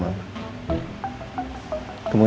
follow mans ini sepertinya